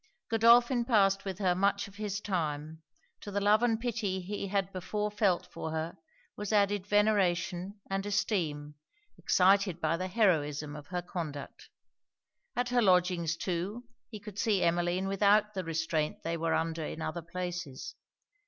Godolphin passed with her much of his time: to the love and pity he had before felt for her, was added veneration and esteem, excited by the heroism of her conduct. At her lodgings, too, he could see Emmeline without the restraint they were under in other places.